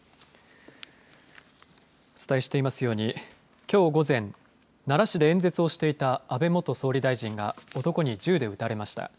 お伝えしていますようにきょう午前、奈良市で演説をしていた安倍元総理大臣が男に銃で撃たれました。